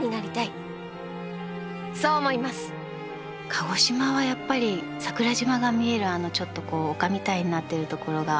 鹿児島はやっぱり桜島が見えるあのちょっとこう丘みたいになってるところが。